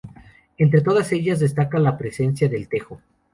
Entre todas ellas destaca la presencia del tejo.